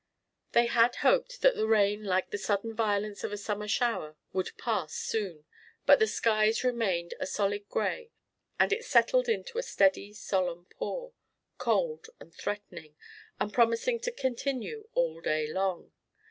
They had hoped that the rain, like the sudden violence of a summer shower, would pass soon, but the skies remained a solid gray and it settled into a steady solemn pour, cold and threatening, and promising to continue all day long.